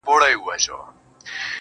لفظونه نۀ تراشمه دغه ګلکاري نۀ کوم